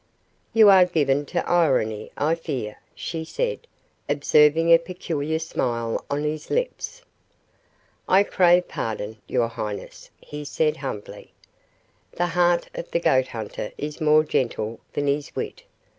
"You are given to irony, I fear," she said, observing a peculiar smile on his lips. "I crave pardon, your highness," he said, humbly "The heart of the goat hunter is more gentle than his wit.